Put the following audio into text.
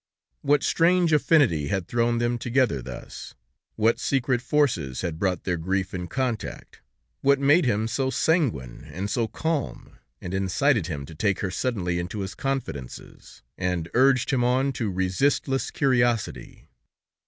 What strange affinity had thrown them together thus? What secret forces had brought their grief in contact? What made him so sanguine and so calm, and incited him to take her suddenly into his confidences, and urged him on to resistless curiosity?